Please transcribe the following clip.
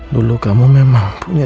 dulu kamu memang punya